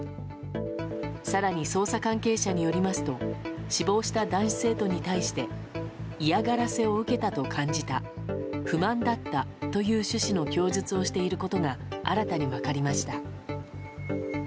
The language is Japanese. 更に捜査関係者によりますと死亡した男子生徒に対して嫌がらせを受けたと感じた不満だったという趣旨の供述をしていることが新たに分かりました。